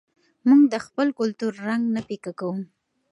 موږ د خپل کلتور رنګ نه پیکه کوو.